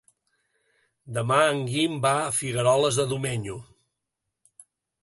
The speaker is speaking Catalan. Demà en Guim va a Figueroles de Domenyo.